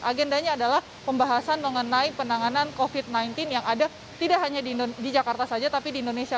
agendanya adalah pembahasan mengenai penanganan covid sembilan belas yang ada tidak hanya di jakarta saja tapi di indonesia